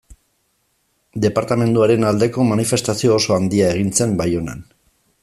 Departamenduaren aldeko manifestazio oso handia egin zen Baionan.